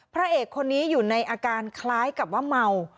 พระเอกคนนี้อยู่ในอาการคล้ายกับว่าเมา